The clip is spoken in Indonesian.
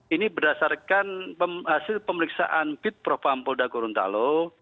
ini berdasarkan hasil pemeriksaan bid prof polda gorontalo